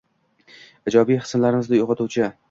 ijobiy hislarimizni uyg‘otuvchi